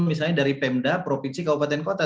misalnya dari pemda provinsi kabupaten kota